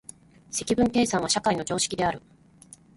積分計算は社会の常識である。